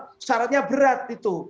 itu sangat berat